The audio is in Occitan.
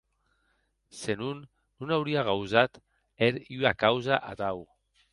Se non, non aurie gausat hèr ua causa atau.